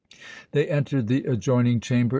They entered the adjoining chamber.